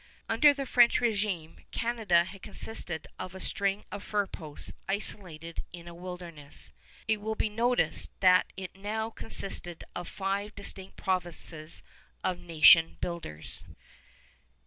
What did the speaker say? Under the French régime, Canada had consisted of a string of fur posts isolated in a wilderness. It will be noticed that it now consisted of five distinct provinces of nation builders.